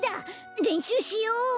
れんしゅうしようほら！